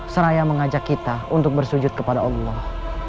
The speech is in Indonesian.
seraya mengajak kita untuk bersujud kepada allah